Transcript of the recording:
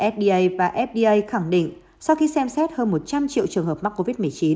sda và fda khẳng định sau khi xem xét hơn một trăm linh triệu trường hợp mắc covid một mươi chín